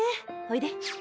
おいで。